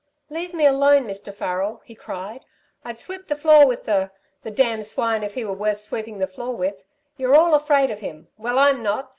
"Leave me alone, Mr. Farrel," he cried. "I'd sweep the floor with the the damned swine, if he were worth sweeping the floor with. You're all afraid of him. Well, I'm not!